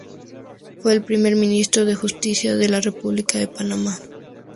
Fue el primer ministro de justicia de la República de Panamá.